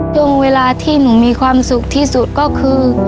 ช่วงเวลาที่หนูมีความสุขที่สุดก็คือ